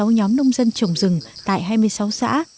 một trăm một mươi sáu nhóm nông dân trồng rừng tại hai mươi sáu xã